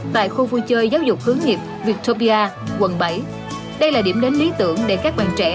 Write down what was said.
tại khu vui chơi giáo dục hướng nghiệp viettopia quận bảy đây là điểm đến lý tưởng để các bạn trẻ